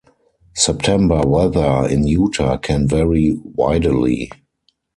September weather in Utah can vary widely.